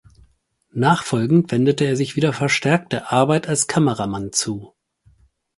Nachfolgend wendete er sich wieder verstärkt der Arbeit als Kameramann zu.